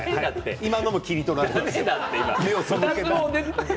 今のも切り取られるよ。